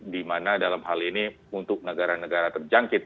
di mana dalam hal ini untuk negara negara terjangkit